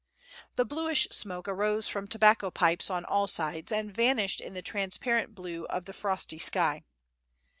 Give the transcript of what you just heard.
The bluish smoke arose from tobacco pipes on all sides, and vanished in the transparent blue of the frosty sky.